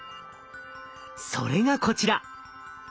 それがこちら！